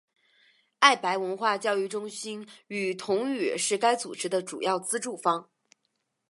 爱白文化教育中心与同语是该组织的主要资助方。